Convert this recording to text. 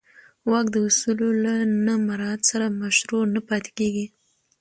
واک د اصولو له نه مراعت سره مشروع نه پاتې کېږي.